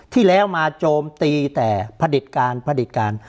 ที่แล้วมาโจมตีแต่ผลิตการผลิตการ